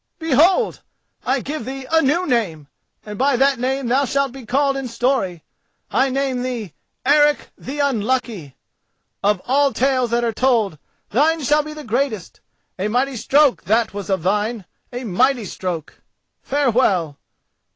Behold! I give thee a new name, and by that name thou shalt be called in story. I name thee Eric the Unlucky. Of all tales that are told, thine shall be the greatest. A mighty stroke that was of thine—a mighty stroke! Farewell!"